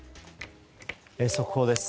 速報です。